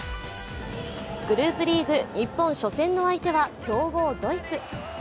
グループリーグ日本初戦の相手は強豪、ドイツ。